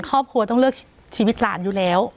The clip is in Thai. ครอบครัวต้องเลือกชีวิตหลานอยู่แล้ว